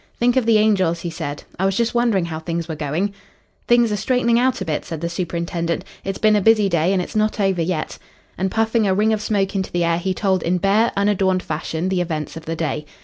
"Think of the angels," he said. "I was just wondering how things were going." "Things are straightening out a bit," said the superintendent. "It's been a busy day, and it's not over yet." And, puffing a ring of smoke into the air, he told in bare, unadorned fashion the events of the day.